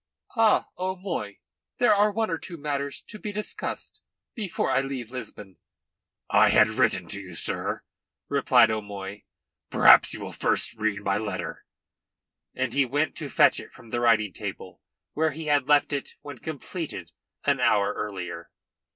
"Ah, O'Moy, there are one or two matters to be discussed before I leave Lisbon." "I had written to you, sir," replied O'Moy. "Perhaps you will first read my letter." And he went to fetch it from the writing table, where he had left it when completed an hour earlier.